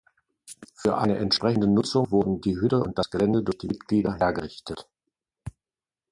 Für eine entsprechende Nutzung wurden die Hütte und das Gelände durch die Mitglieder hergerichtet.